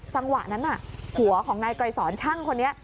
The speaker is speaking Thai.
จังหวะนั้นผัวของนายไกรสอนช่างคนนี้